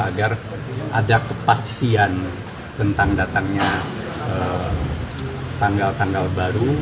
agar ada kepastian tentang datangnya tanggal tanggal baru